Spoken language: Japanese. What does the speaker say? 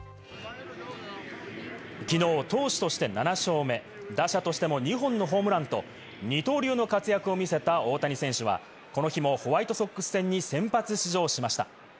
きのう投手として７勝目、打者としても２本のホームランと二刀流の活躍を見せた大谷選手は、この日もホワイトソックス戦に先発出場しました。